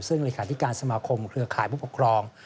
ซึ่งเลขาธิการสมาคมเครือข่ายผู้ปกครอง